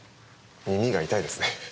耳が痛いですね。